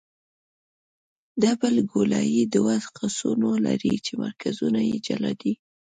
ډبل ګولایي دوه قوسونه لري چې مرکزونه یې جلا دي